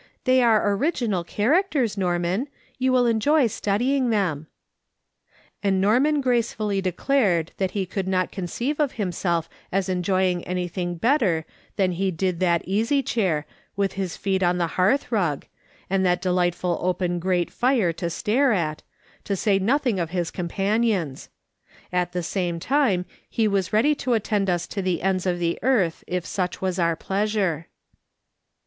They are original characters, Norman ; you will enjoy studying them.' And Norman gracefully declared that he could not conceive of himself as enjoying anything hetter than he did that easy chair, with his feet on the hearth rug, and that delightful open grate fire to stare at, to say nothing of his companions ; at the same time he Avas ready to attend us to the ends of the earth it such was our pleasure.